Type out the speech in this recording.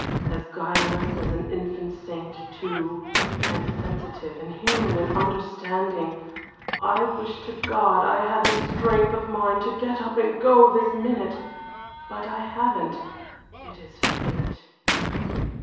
As guileless as an infant saint, too and sensitive and human and understanding. I wish to God I had the strength of mind to get up and go this minute but I haven't it is fate."